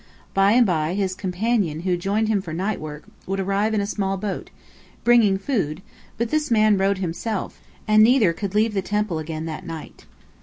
By and by his companion who joined him for night work, would arrive in a small boat, bringing food; but this man rowed himself, and neither could leave the temple again that night.